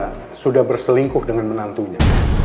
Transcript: karena sudah berselingkuh dengan menantunya